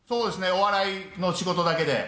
お笑いの仕事だけで。